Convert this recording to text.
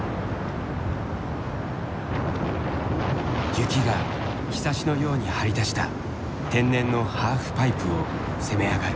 雪がひさしのように張り出した天然のハーフパイプを攻めあがる。